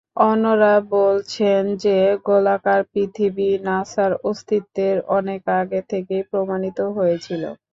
অন্যরা বলছেন যে, গোলাকার পৃথিবী নাসার অস্তিত্বের অনেক আগে থেকেই প্রমাণিত হয়েছিল।